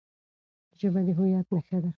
ژبه د هويت نښه ده.